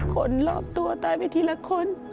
คนรอบตัวตายไปทีละคน